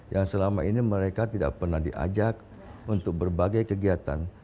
yang selama ini mereka tidak pernah diajak untuk berbagai kegiatan